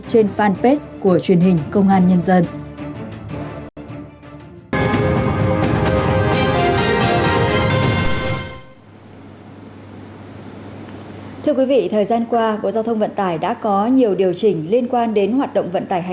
trên fanpage của hà nội